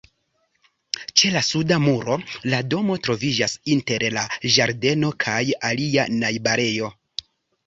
Ĉe la suda muro, la domo troviĝas inter la ĝardeno kaj alia najbarejo.